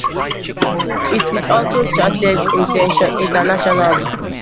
It also charted internationally.